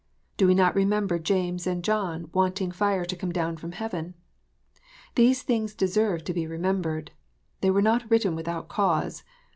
Do we not remember James and John wanting fire to come down from heaven ? These things deserve to be remembered. They were not written without cause.